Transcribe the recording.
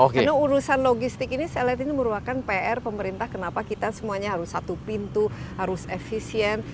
karena urusan logistik ini saya lihat ini merupakan pr pemerintah kenapa kita semuanya harus satu pintu harus efisien